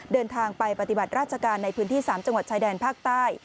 เดินทางไปปฏิบัติราชการในพื้นที่๓จังหวัดชายแดนภาคใต้